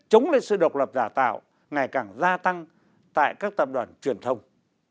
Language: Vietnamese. chống lên sự độc lập giả tạo ngày càng gia tăng tại các tạp đoàn truyền thông